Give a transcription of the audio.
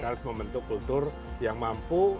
saya sudah memiliki kekuatan yang sangat besar